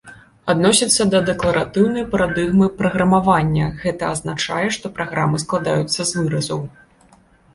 Адносіцца да дэкларатыўнай парадыгмы праграмавання, гэта азначае, што праграмы складаюцца з выразаў.